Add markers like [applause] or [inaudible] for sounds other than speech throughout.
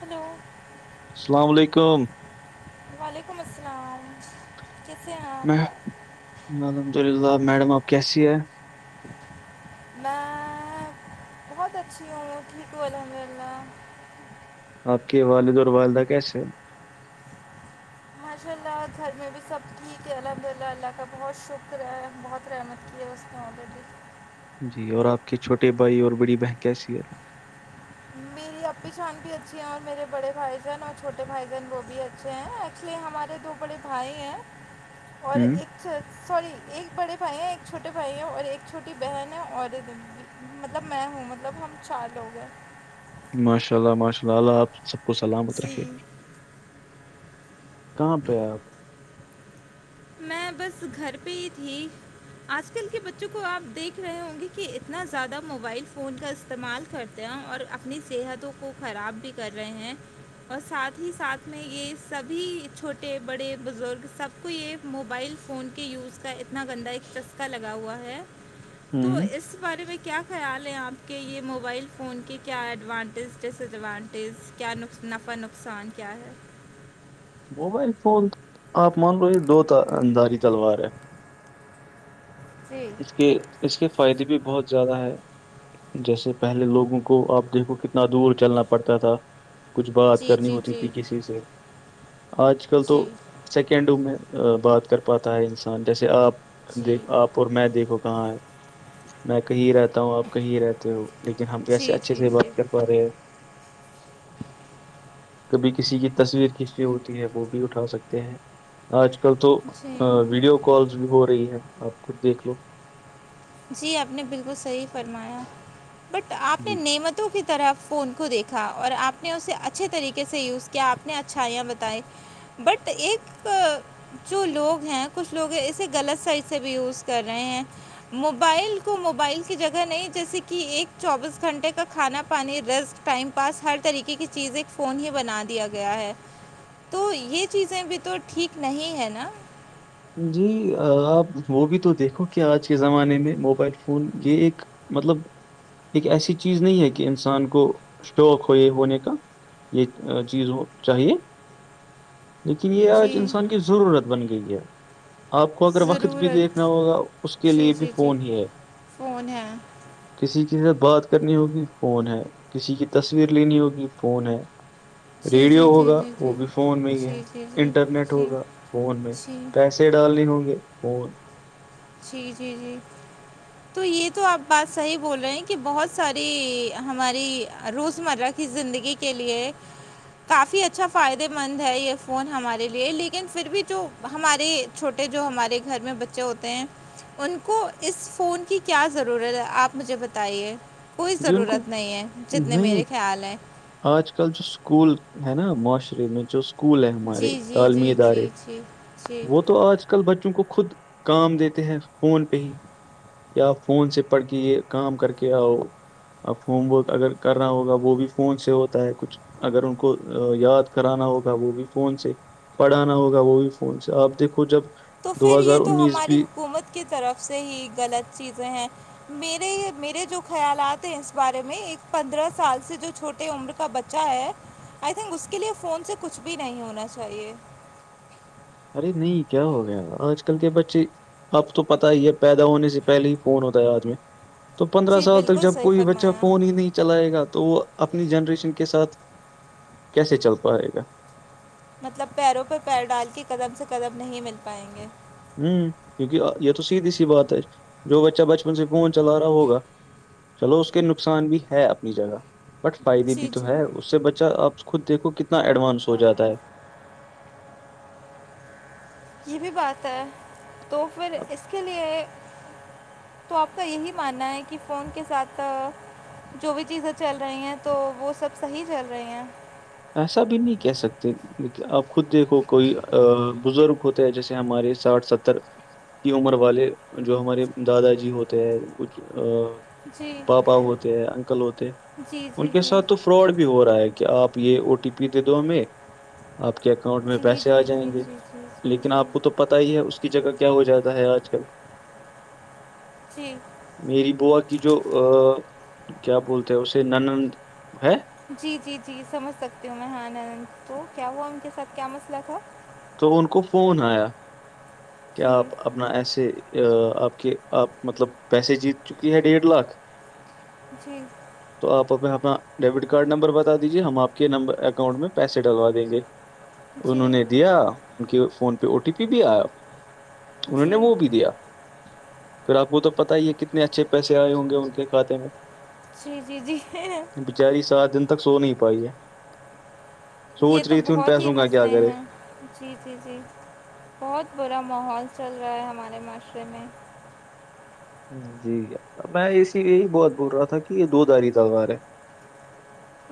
Hello السلام و علیکم وعلیکم السلام کیسے ہیں اپ الحمد للہ میڈم آپ کیسی ہیں میں بہت اچھی ہوں ٹھیک ہوں الحمد اللہ آپ کے والد اور والدہ کیسے ہے ماشاء اللہ گھر میں بھی سب ٹھیک ہے الحمد للہ اللہ کا بہت شکر ہے بہت رحمت [inaudible] جی اور آپ کے چھوٹے بھائی اور بڑی بہن کیسی ہے [inaudible] میری اپی چان بھی اچھی ہے اور میری امی جان بھی اچھی ہے اور میرے بڑے بھائی جان چھوٹے بھائی جان وہ بھی اچھے ہیں اس لیے ہمارے دو بڑے بھائی ہیں [inaudible] اور ایک اچھا سوری ایک بڑے بھائی ہیں ایک چھوٹے بھائی ہیں اور ایک چھوٹی بہن ہے اور مطلب میں ہوں مطلب ہم چار لوگ ہیں ماشاء اللہ ماشا اللہ آپ سب کو سلامت رکھے جی کہاں پے ہے آپ میں بس گھر پے ہی تھی آج کل کے بچوں کو آپ دیکھ رہے ہوں گے کہ اتنا زیادہ موبائل فون کا استعمال کرتے ہیں اور اپنی صحتوں کو خراب بھی کر رہے ہیں اور ساتھ ہی ساتھ میں یہ سبھی چھوٹے بڑے بزرگ سب کو یہ موبائل فون کے یوز کا اتنا گندا ایک چسکا لگا ہوا ہے تو اس ہوں اس بارے میں کیا خیال ہیں آپ کے یہ موبائل فون کے کیا ایڈوانٹیز ڈس ایڈوانٹیز کیا نفع نقصان کیا ہے موبائل فون آپ مان لو یہ دو دھاری تلوار ہے جی اس کے اس کے فائدے بھی بہت زیادہ ہے جیسے پہلے لوگوں کو آپ دیکھو کتنا دور چلنا پڑتا تھا کچھ بات جی کرنی جی ہوتی تھی جی کسی سے آج کل تو جی سیکنڈوں میں بات کر پاتا ہے انسان جیسے آپ جی دیکھ آپ میں دیکھو کہاں ہے میں کہیں رہتا ہوں آپ کہیں رہتے ہو لیکن ہم جی کیسے اچھے جی سے جی بات کر پا رہے ہیں کبھی کسی کی تصویر کھینچنی ہوتی ہے وہ بھی اٹھا سکتے ہیں آج کل تو جی ویڈیو کالز بھی ہو رہی ہے آپ خد دیکھ لو جی آپ نے بالکل صحی فرمایا بٹ آپ نے جی نعمتوں کی طرح فون کو دیکھا اور آپ نے اسے اچھے طریقے سے یوز کیا آپ نے اچھائیاں بتائی بٹ ایک جو لوگ ہیں کچھ لوگ اسے غلط سائڈ سے بھی یوز کر رہے ہیں موبائل کو موبائل کی جگہ نہیں جیسے کہ ایک چوبیس گھنٹے کا کھانا پانی ریسٹ ٹائم پاس ہر طریقے کی چیز ایک فون ہی بنا دیا گیا ہے تو یہ چیزیں بھی تو ٹھیک نہیں ہے نا جی آپ وہ بھی تو دیکھو کہ آج کے زمانے میں موبائل فون یہ ایک مطلب ایک ایسی چیز نہیں ہے کہ انسان کو شوق ہو یہ ہونے کا یہ چیز چاہیے لیکن یہ آج جی انسان کی ضرورت بن گئی ہے آپ کو اگر وقت بھی ضرورت دیکھنا ہوگا اس کے جی لیے بھی جی جی فون ہی ہے فون ہے کسی کی سات بات کرنی ہوگی فون ہے کسی کی تصویر لینی ہوگی فون ہے جی جی ریڈیو جی ہوگا جی وہ جی بھی فون میں ہی ہے جی جی جی انٹرنیٹ جی ہوگا فون میں جی پیسے ڈالنے ہوں گے فون جی جی جی تو یہ تو آپ بات صحی بول رہے ہیں کہ بہت ساری ہماری روزمرہ کی زندگی کے لیے کافی اچھا فائدے مند ہے یہ فون ہمارے لیے لیکن پھر بھی جو ہمارے چھوٹے جو ہمارے گھر میں بچے ہوتے ہیں ان کو اس فون کی کیا ضرورت ہے آپ مجھے بتائیے کوئی جی ان کو ضرورت نہیں ہے جتنے نہیں میرے خیال ہیں آج کل جو اسکول ہے نا معاشرے میں جو اسکول ہے ہمارے جی جی تعلیم جی داری جی جی جی وہ تو آج آج کل بچوں کو خود کام دیتے ہیں فون پہ ہی کی اپ فون سے پڑھ کے یہ کام کر کے آؤ اب ہوم ورک اگر کر رہا ہوگا وہ بھی فون سے ہوتا ہے کچھ اگر ان کو یاد کرانا ہوگا وہ بھی فون سے پڑھانا ہوگا وہ بھی فون سے آپ دیکھو جب تو دو پھر یہ ہزار تو انیس ہماری بھی حکومت کی طرف سے ہی غلط چیزیں ہیں میرے میرے جو خیالات ہیں اس بارے میں ایک پندرہ سال سے جو چھوٹے عمر کا بچہ ہے آئی تھنک اس کے لیے فون سے کچھ بھی نہیں ہونا چاہیے ارے نہیں کیا ہو گیا آج کل کے بچے اب تو پتہ ہی یہ پیدا ہونے سے پہلے ہی فون ہوتا ہے ہاتھ میں تو پندرہ جی سال تک بالکل جب صحیح کوئی بچہ فرمایا فون ہی نہیں چلائے گا تو وہ اپنی جنریشن کے ساتھ کیسے چل پائے گا مطلب پیروں پر پیر ڈال کے قدم سے قدم نہیں مل پائیں گے ہوں کیونکہ یہ تو سیدھی سی بات ہے جو بچہ بچپن سے فون چلا رہا ہوگا چلو اس کے نقصان بھی ہے اپنی جگہ بٹ فائدے بھی جی تو جی ہے اس سے بچہ آپ خود دیکھو کتنا ایڈوانس ہو جاتا ہے یہ بھی بات ہے تو پھر اب اس کے لیے تو آپ کا یہی ماننا ہے کہ فون کے ساتھ جو بھی چیزیں چل رہی ہیں تو وہ سب صحی چل رہی ہیں ایسا بھی نہیں کہہ سکتے آپ خود دیکھو کوئی بزرگ ہوتے ہیں جیسے ہمارے ساٹھ ستر کی عمر والے جو ہمارے دادا جی ہوتے ہیں کچھ جی پاپا ہوتے ہیں انکل ہوتے جی ان جی کے جی ساتھ تو فراڈ بھی ہو رہا ہے کہ آپ او ٹی پی دے دو ہمیں آپ کے اکاؤنٹ جی میں جی پیسے آ جی جی جائیں گے جی جی جی لیکن آپ کو تو پت ہی ہے اس کی جگہ کیا ہو جاتا ہے آج کل پکی [unintelligible] میری بووا کی جو کیا بولتے ہیں اسے ننند ہے جی جی جی سمجھ سکتی ہوں میں ہاںند تو کیا ہوا ان کے ساتھ کیا مسئلہ تھا تو ان کو فون آیا کہ جی آپ اپنا ایسے ا آپ کے آپ مطلب پیسے جیت چکی ہے ڈیڑھ لاکھ جی تو آپ اپ اپنا ڈیبٹ کارڈ نمبر بتا دیجیے ہم آپ کے نمبر اکاؤنٹ میں پیسے ڈلوا دیں گے جی انہوں نے دیا ان کے فون پہ او ٹی پی بھی آیا انہوں جی نے وہ بھی دیا پھر آپ کو تو پت ہی ہے کتنے اچھے پیسے آئے ہوں گے ان کے کاتے میں جی جی جی بچاری سات دن تک سو نہیں پائی ہے سوچ یہ تو رہی تھی ان بہت ہی پیسوں کا کیا مسئلے کرے ہیں جی جی جی بہت برا ماحول چل رہا ہے ہمارے معاشرے میں جی میں اسی یہی بہت بول رہا تھا کہ یہ دو داری تلوار ہے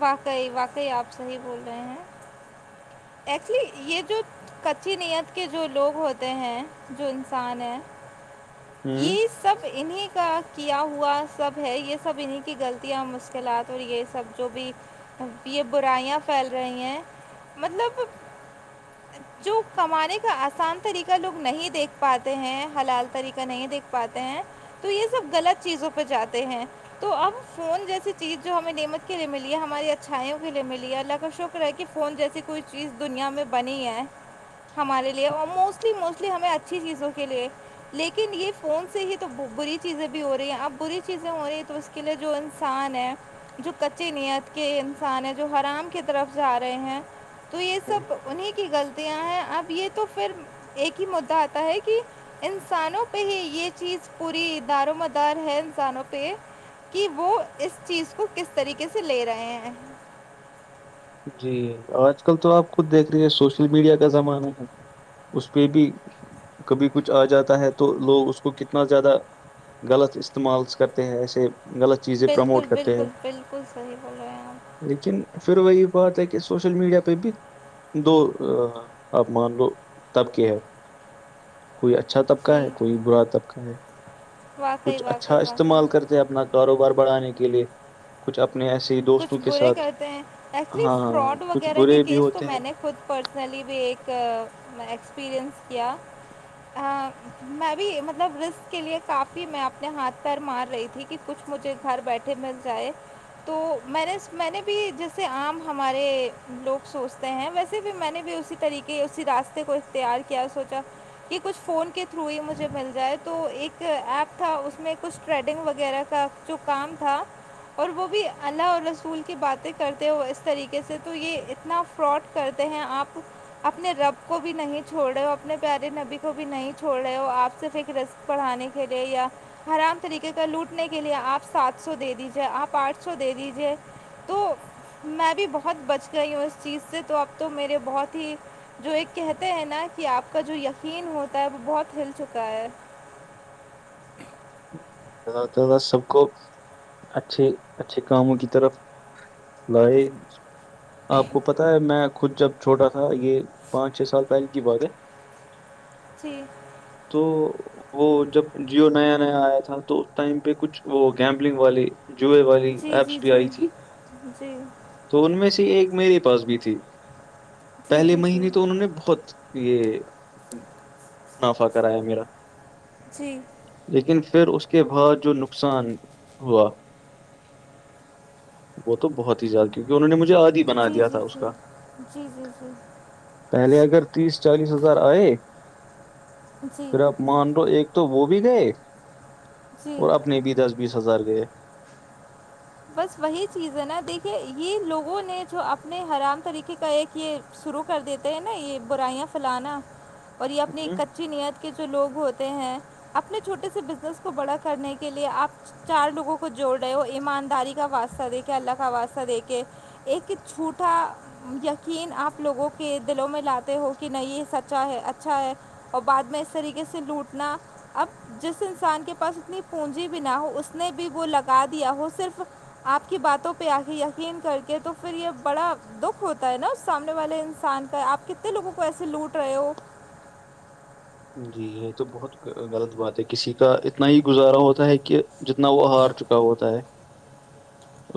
واقعی واقعی آپ صحیح بول رہے ہیں ایکچولی یہ جو کچی نیت کے جو لوگ ہوتے ہیں جو انسان ہیں ہاں یہ سب انہیں کا کیا ہوا سب ہے یہ سب انہیں کی غلطیاں مشکلات اور یہ سب جو بھی یہ برائیاں پھیل رہی ہیں مطلب جو کمانے کا آسان طریقہ لوگ نہیں دیکھ پاتے ہیں حلال طریقہ نہیں دیکھ پاتے ہیں تو یہ سب غلط چیزوں پہ جاتے ہیں تو اب فون جیسی چیز جو ہمیں نعمت کے لیے ملی ہے ہماری اچھائیوں کے لیے ملی ہے اللہ کا شکر شکر ہے کہ فون جیسی کوئی چیز دنیا میں بنی ہے ہمارے لیے اور موسٹلی موسٹلی ہمیں اچھی چیزوں کے لیے لیکن یہ فون سے ہی تو بری چیزیں بھی ہو رہی ہیں اب بری چیزیں ہو رہی ہیں تو اس کے لیے جو انسان ہے جو کچی نیت کے انسان ہیں جو حرام کی طرف جا رہے ہیں تو یہ ہوں۔ سب انہیں کی غلطیاں ہیں اب یہ تو پھر ایک ہی مدعا آتا ہے کہ انسانوں پہ ہی یہ چیز پوری دار مدار ہے انسانوں پہ کہ وہ اس چیز کو کس طریقے سے لے رہے ہیں جی آج کل تو آپ خود دیکھ رہی ہیں سوشل میڈیا کا زمانہ ہے اس پہ بھی کبھی کچھ آ جاتا ہے تو لوگ اس کو کتنا زیادہ غلط استعمالس کرتے ہیں ایسے غلط چیزیں بالکل پرموٹ کرتے ہیں بالکل بالکل صحیح بول رہے ہیں آپ لیکن پھر وہی یہ بات ہے کہ سوشل میڈیا پہ بھی دو اب مان لو تب کی ہے کوئی اچھا طبقہ ہے جی کوئی برا طبقہ ہے واقعی کچھ اچھا واقعی واقعی استعمال کرتے اپنا کاروبار بڑھانے کے لیے کچھ اپنے ایسی کچھ برے کرتے ہیں ایکچولی فراڈ کچھ وغیرہ کے برے بھی کیس تو ہوتے ہیں میں نے خود پرسنلی بھی ایک ایکسپریئنس کیا ہاں میں بھی مطلب رسک کے لیے کافی میں اپنے ہاتھ پیر مار رہی تھی کہ کچھ مجھے گھر بیٹھے مل جائے تو میں نے میں نے بھی جیسے عام ہمارے لوگ سوچتے ہیں ویسے بھی میں نے بھی اسی طریقے اسی راستے کو اختار کیا سوچا یہ کچھ فون کے تھرو ہی مجھے مل جائے تو ایک ایپ تھا اس میں کچھ تھٹریڈنگ وغیرہ کا جو کام تھا اور وہ بھی اللہ اور رسول کی باتیں کرتے وہ اس طریقے سے تو یہ اتنا فراڈ کرتے ہیں آپ اپنے رب کو بھی نہیں چھوڑ رہے ہو اپنے پیارے نبی کو بھی نہیں چھوڑ رہے ہو آپ صرف ایک رس پڑھانے کے لئے یا حرام طریقے کا لوٹنے کے لئے آپ سات سو دے دیجیے آپ آٹسو س دے دیجیے تو میں بھی بہت بچ گئی ہوں اس چیز سے تو اب تو میرے بہت ہی جو ایک کہتے ہیں نا کہ آپ کا جو یقین ہوتا ہے وہ بہت ہل چکا ہے زیادہ تدہ سب کو اچھے اچھے کاموں کی طرف لے آپ کو پتہ ہے میں خود جب چھوٹا تھا یہ پانچ چھ سال پہلے کی بات ہے پھی [unintelligible] [unintelligible] تو وہ جب جیو نیا میں آیا تھا تو اس ٹائم پہ کچھ وہ گیمبلنگ والی جو والی جی ایپس جی بھی جی آئی جی تو ان میں سے ایک میرے پاس بھی تھی جی پہلے جی جی مہینے تو انہوں نے بہت یہ منافع کرایا میرا جی لیکن پھر اس کے بعد جو نقصان ہوا وہ تو بہت ہی زیادہ کیونکہوں نےجھے آج جی جی جی جی جی جی پہلے اگر تیس چالیس ہزار آئے جی جی پھر آپ مان رہو ایک تو وہ بھی گئے جی اور اپنے بھی دس بیس ہزار گئے بس وہی چیز ہے نا دیکھیے یہ لوگوں نے جو اپنے حرام طریقے کا ایک یہ شروع کر دیتے ہیں نا یہ برائیاں پھیلانا اور یہ اپنی ہوں کچی نیت کے جو لوگ ہوتے ہیں اپنے چھوٹے سے بزنس کو بڑا کرنے کے لیے آپ چار لوگوں کو جوڑ رہے وہ ایمانداری کا واسطہ دیک کے اللہ کا واسطہ دیک کے ایک چھوٹا [unintelligible] [unintelligible] یقین آپ لوگوں کے دلوں میں لاتے ہو کہ نہیں یہ سچا ہے اچھا ہے اور بعد میں اس طریقے سے لوٹنا اب جس انسان کے پاس اتنی پونجی بھی نہ ہو اس نے بھی وہ لگا دیا ہو صرف آپ کی باتوں پہ آ کے یقین کر کے تو پھر یہ بڑا دکھ ہوتا ہے نا اس سامنے والے انسان کا آپ کتنے لوگوں کو ایسے لوٹ رہے ہو جی یہ تو بہت غلط بات ہے کسی کا اتنا ہی گزارا ہوتا ہے کہ جتنا وہ ہار چکا ہوتا ہے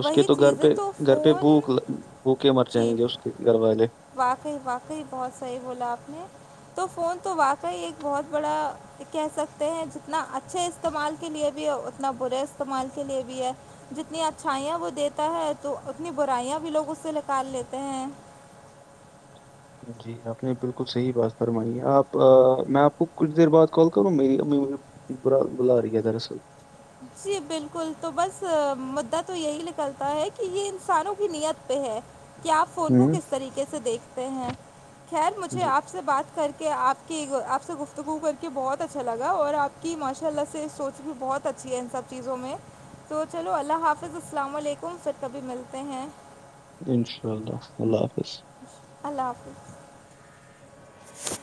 اس کے تو گھر چیز ہے پہ تو گھر پہ فون بھوک بھوکے مر جائیں جی گے اس گرباے [unintelligible] [unintelligible] واقعی واقعی بہت صحیح بولا آپ نے تو فون تو واقعی ایک بہت بڑا کہہ سکتے ہیں جتنا اچھے استعمال کے لے بھی ہے اتنا برے استعمال کے لئے بھی ہے جتنی اچھائیاں وہ دیتا ہے تو اتنی برائیاں بھی لوگ اس سے نکال لیتے ہیں جی آپ نے بالکل صحیح بات فرمانی ہے آپ میں آپ کو کچھ دیر بعد کال کر رہا ہوں میری ابھ برا بلا رہ کیا دراصل جی بالکل تو بس مدعا تو یہی نکلتا ہے کہ یہ انسانوں کی نیت پہ ہے کیا آپ فون کو ہوں کس طریقے سے دیکھتے ہیں خیر مجھے جی آپ سے بات کر کے آپ کی آپ سے گفتگو کر کے بہت اچھا لگا اور آپ کی ماشاء اللہ سے سوچ بھی بہت اچھا اچ ہے ان سب چیزوں میں تو چلو اللہ حافظ السلام علیکم پھر کبھی ملتے ہیں انشاء اللہ اللہ حافظ اللہ حافظ [inaudible]